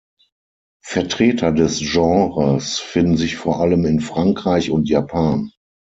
Vertreter des Genres finden sich vor allem in Frankreich und Japan.